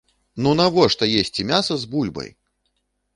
Ну навошта есці мяса з бульбай?